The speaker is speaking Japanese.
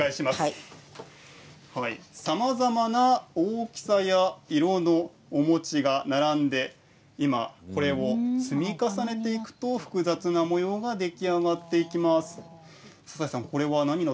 さまざまな大きさや色のお餅が並んで今、積み重ねていくと複雑な模様が出来上がっていきます。